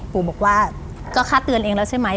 ปู่บอกว่าก็ค่าเตือนเองแล้วใช่ไหม